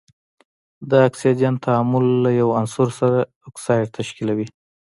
د اکسیجن تعامل له یو عنصر سره اکساید تشکیلیږي.